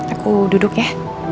aku duduk ya